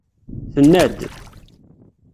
Tenna-d.